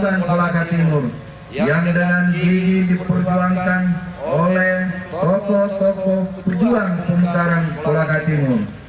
dan membangun kembali ke kelas perjuangan yang diperjuangkan oleh tokoh tokoh pemutaran kolaka timur